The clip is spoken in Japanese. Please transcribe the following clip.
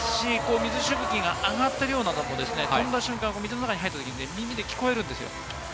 水しぶきが上がっているようなところ、飛んだ瞬間、水に入った時に耳で聞こえるんですよ。